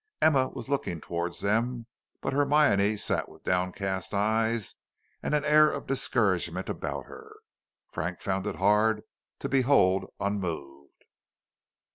Emma was looking towards them, but Hermione sat with downcast eyes and an air of discouragement about her Frank found it hard to behold unmoved.